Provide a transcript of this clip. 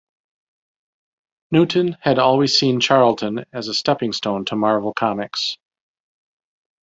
Newton had always seen Charlton as a stepping-stone to Marvel Comics.